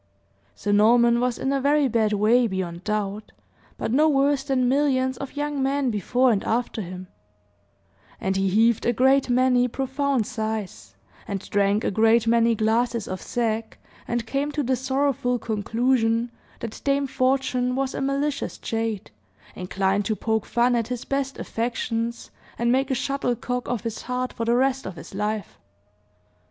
Sir Norman was in a very bad way, beyond doubt, but no worse than millions of young men before and after him; and he heaved a great many profound sighs, and drank a great many glasses of sack, and came to the sorrowful conclusion that Dame Fortune was a malicious jade, inclined to poke fun at his best affections, and make a shuttlecock of his heart for the rest of his life.